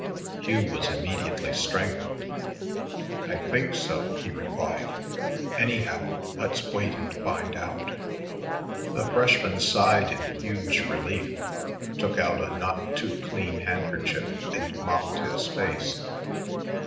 Hugh was immediately strengthened. "I think so," he replied. "Anyhow, let's wait and find out." The freshman sighed in huge relief, took out a not too clean handkerchief, and mopped his face.